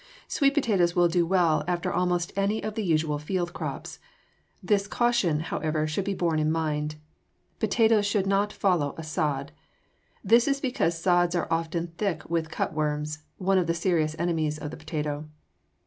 Sweet potatoes will do well after almost any of the usual field crops. This caution, however, should be borne in mind. Potatoes should not follow a sod. This is because sods are often thick with cutworms, one of the serious enemies of the potato.